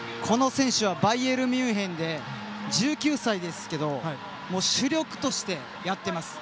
バイエルンミュンヘンで１９歳ですけど主力としてやっています。